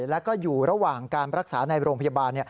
แล้วก็อยู่ระหว่างการรักษาในโรงพยาบาล